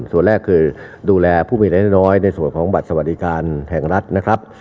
ส่วนแรกคือดูแลผู้มีรายได้น้อยในส่วนของบัตรสวัสดิการแห่งรัฐนะครับ